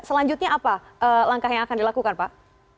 selanjutnya apa langkah yang akan dilakukan pak